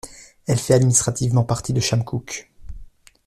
Elle fait administrativement partie de Chamcook.